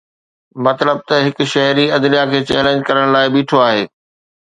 مطلب ته هڪ شهري عدليه کي چئلينج ڪرڻ لاءِ بيٺو آهي